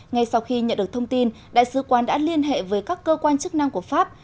ngay sau khi nhận được thông tin đại sứ quán đã liên hệ với các cơ quan chức năng của pháp